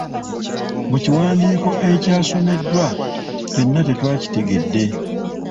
Mu kiwandiiko ekyasomeddwa ffenna tetwakitegedde.